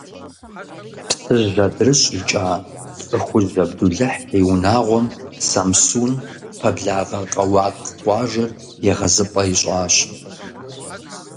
Псыжь адрыщӀ икӀа ЛӀыхужь Абдулыхь и унагъуэм Самсун пэблагъэ Къэуакъ къуажэр егъэзыпӀэ ищӀащ.